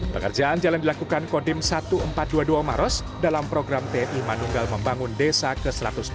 pengerjaan jalan dilakukan kodim seribu empat ratus dua puluh dua maros dalam program tni manunggal membangun desa ke satu ratus dua puluh